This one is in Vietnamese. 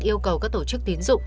yêu cầu các tổ chức tiến dụng